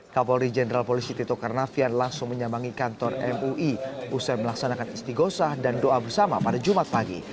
kapolri jenderal polisi tito karnavian langsung menyambangi kantor mui usai melaksanakan isti gosah dan doa bersama pada jumat pagi